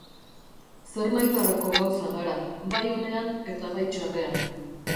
Zernahitarako gauza gara, bai onean eta bai txarrean.